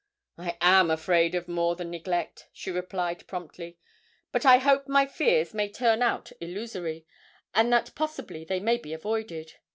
'I am afraid of more than neglect,' she replied promptly; 'but I hope my fears may turn out illusory, and that possibly they may be avoided.